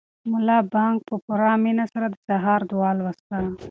ملا بانګ په پوره مینه سره د سهار دعا ولوسته.